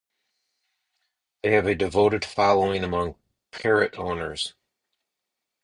They have a devoted following among parrot owners.